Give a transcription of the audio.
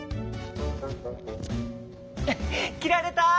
きられた！